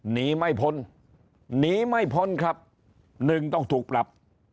หนีไม่พ้นหนีไม่พ้นครับหนึ่งต้องถูกปรับ